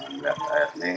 melihat air ini